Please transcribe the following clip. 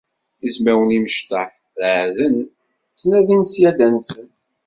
Izmawen imecṭaḥ ṛeɛɛden, ttnadin ṣṣyada-nsen.